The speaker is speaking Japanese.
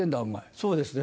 そうですね。